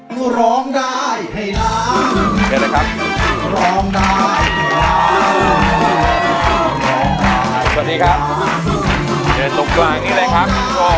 สวัสดีครับเชิญตรงกลางนี้เลยครับ